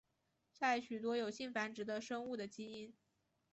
在许多有性繁殖的生物的基因。